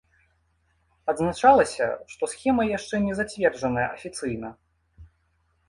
Адзначалася, што схема яшчэ не зацверджаная афіцыйна.